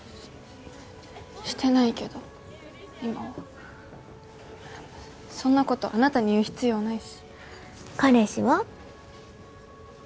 ししてないけど今はそんなことあなたに言う必要ないし彼氏は？